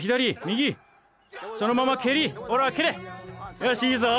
よしいいぞ！